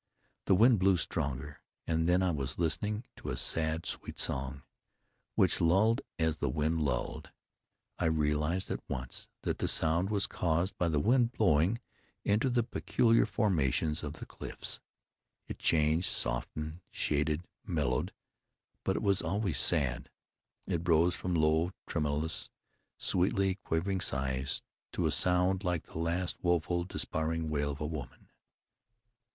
The wind blew stronger, and then I was to a sad, sweet song, which lulled as the wind lulled. I realized at once that the sound was caused by the wind blowing into the peculiar formations of the cliffs. It changed, softened, shaded, mellowed, but it was always sad. It rose from low, tremulous, sweetly quavering sighs, to a sound like the last woeful, despairing wail of a woman.